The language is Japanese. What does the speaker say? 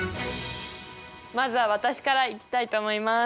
まずは私からいきたいと思います。